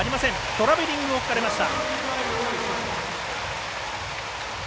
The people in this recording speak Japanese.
トラベリングをとられました。